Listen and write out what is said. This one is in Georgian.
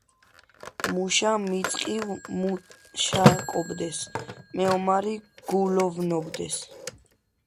მუშა მიწყივ მუშაკობდეს, მეომარი გულოვნობდეს;